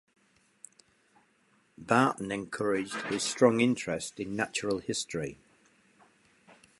Barton encouraged his strong interest in natural history.